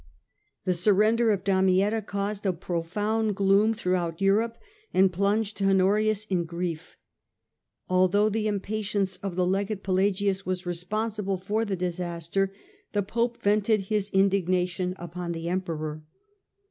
The surrender of Damietta caused a profound gloom throughout Europe and plunged Honorius in grief. Although the impatience of the Legate Pelagius was responsible for the disaster, the Pope vented his indig nation upon the Emperor.